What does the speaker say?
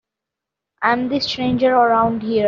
I'm the stranger around here.